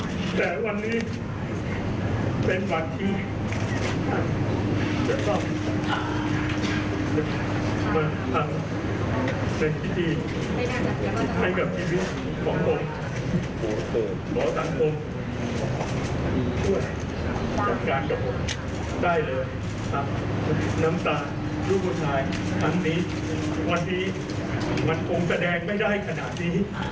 มันคงแสดงไม่ได้ขนาดนี้ขอทุกคนเข้าใจทุกท่านเข้าใจ